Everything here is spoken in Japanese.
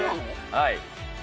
はい。